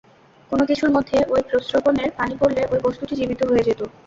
কোন কিছুর মধ্যে ঐ প্রস্রবণের পানি পড়লে ঐ বস্তুটি জীবিত হয়ে যেত।